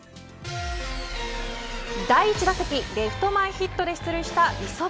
第１打席レフト前ヒットで出塁した五十幡。